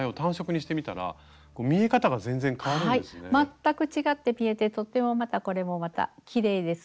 全く違って見えてとってもまたこれもまたきれいです。